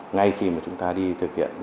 ngay khi chúng ta đi thực hiện